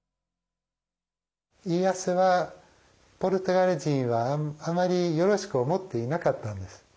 家康はポルトガル人はあまりよろしく思っていなかったんです。